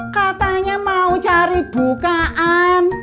katanya mau cari bukaan